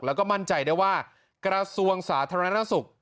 แล้วก็มั่นใจได้ว่ากระทรวงสาธารณสุข